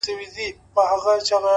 o څنگه دي وستايمه،